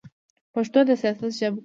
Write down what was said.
پښتو د سیاست ژبه کړئ.